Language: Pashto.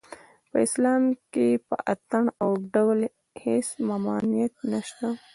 په اسلام کې په اټن او ډول هېڅ ممانعت نشته